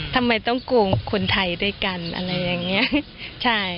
ทำไมต้องโกงคนไทยด้วยกันอะไรอย่างนี้ใช่